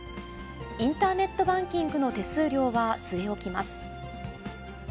インターネットバンキングの手数料は据え置きます。